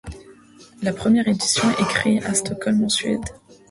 La première édition est créée à Stockholm en Suède.